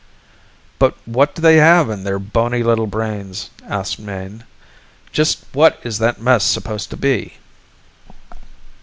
"But what do they have in their bony little brains?" asked Mayne. "Just what is that mess supposed to be?"